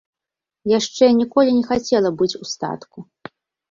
Яшчэ ніколі не хацела быць у статку.